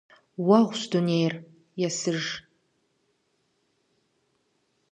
Уэгъущ дунейр, есыж.